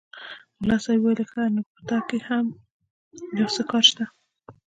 ملا صاحب وویل ښه! نو په تا کې هم یو څه کار شته.